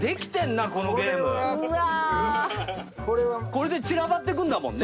これで散らばっていくんだもんね。